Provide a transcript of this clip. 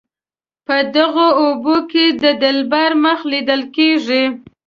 په دغو اوبو کې د دلبر مخ لیدل کیږي.